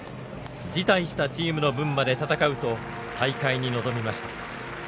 辞退したチームの分まで戦うと大会に臨みました。